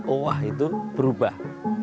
obah itu berubah